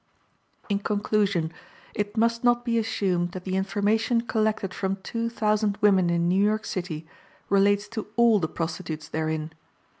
In conclusion, it must not be assumed that the information collected from two thousand women in New York City relates to all the prostitutes therein.